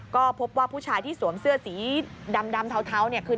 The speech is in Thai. ก็พบว่าผู้ชายที่สวมเสื้อสีดำเทาเนี่ยคือ